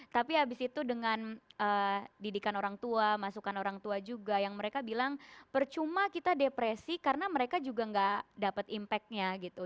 tapi habis itu dengan didikan orang tua masukan orang tua juga yang mereka bilang percuma kita depresi karena mereka juga nggak dapat impact nya gitu